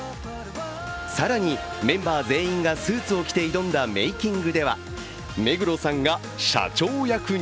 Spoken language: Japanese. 更に、メンバー全員がスーツを着て挑んだメイキングでは目黒さんが社長役に。